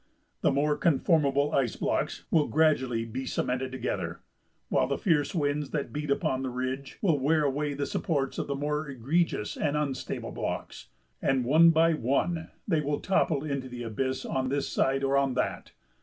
The more conformable ice blocks will gradually be cemented together, while the fierce winds that beat upon the ridge will wear away the supports of the more egregious and unstable blocks, and one by one they will topple into the abyss on this side or on that.